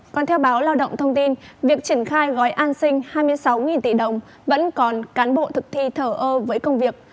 còn theo báo lao động thông tin việc triển khai gói an sinh hai mươi sáu tỷ đồng vẫn còn cán bộ thực thi thở ơ với công việc